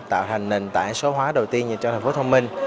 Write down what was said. tạo thành nền tảng số hóa đầu tiên cho thành phố thông minh